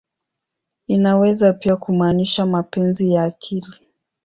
Inaweza pia kumaanisha "mapenzi ya akili.